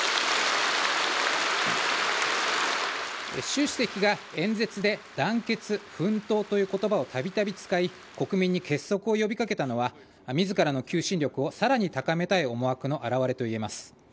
習主席が演説で団結、奮闘という言葉をたびたび使い国民に結束を呼び掛けたのは自らの求心力をさらに高めたい思惑の表れといえます。